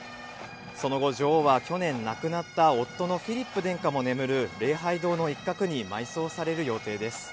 その後、女王は去年亡くなった夫のフィリップ殿下も眠る礼拝堂の一角に埋葬される予定です。